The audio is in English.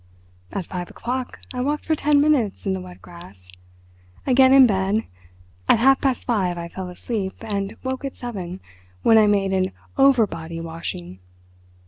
"At five o'clock I walked for ten minutes in the wet grass. Again in bed. At half past five I fell asleep, and woke at seven, when I made an 'overbody' washing!